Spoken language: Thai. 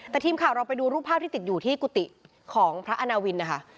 แต่ทีมข่าวเราไปดูรูปภาพที่ติดอยู่ที่กุฏิของพระอาณาวินนะคะ